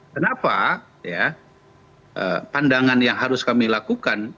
kenapa pandangan yang harus kami lakukan